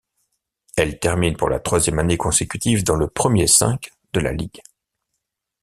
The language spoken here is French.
Elle termine pour la troisième année consécutive dans le premier cinq de la ligue.